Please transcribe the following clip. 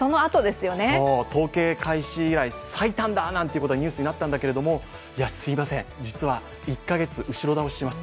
統計、開始以来最短だなんてニュースになったんだけれどもいやすいません、実は１か月後ろ倒しします